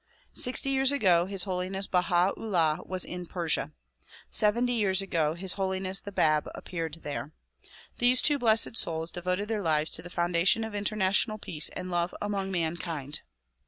Sixty years ago His Holiness Baha 'Ullah was in Persia. Seventy years ago His Holiness the Bab appeared there. These two blessed souls devoted their lives to the foundation of international peace and love among mankind.